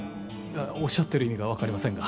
おっしゃってる意味が分かりませんが？